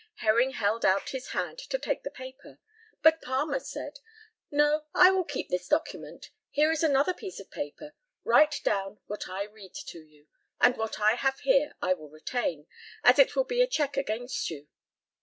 Herring held out his hand to take the paper, but Palmer said, "No, I will keep this document; here is another piece of paper, write down what I read to you, and what I have here I will retain, as it will be a check against you."